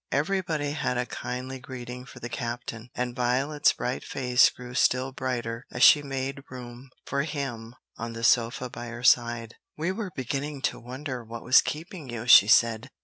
Everybody had a kindly greeting for the captain, and Violet's bright face grew still brighter as she made room for him on the sofa by her side. "We were beginning to wonder what was keeping you," she said.